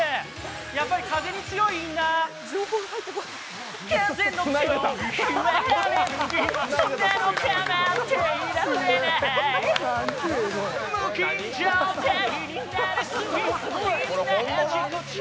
やっぱり風に強いインナー。